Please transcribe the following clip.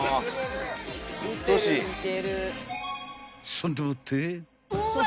［そんでもって］